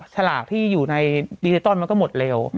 ฉลากที่อยู่ในดิจิตอลมันก็หมดเร็ว